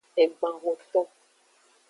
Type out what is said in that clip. Egban hoton.